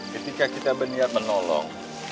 ketika kita berniat menolong